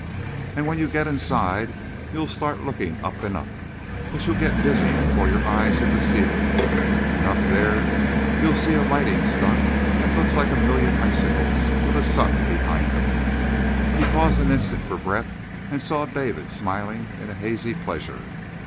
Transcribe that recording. And when you get inside you'll start looking up and up, but you'll get dizzy before your eyes hit the ceiling; and up there you'll see a lighting stunt that looks like a million icicles with the sun behind 'em." He paused an instant for breath and saw David smiling in a hazy pleasure.